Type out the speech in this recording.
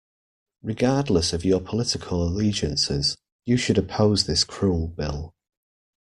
Regardless of your political allegiances, you should oppose this cruel bill.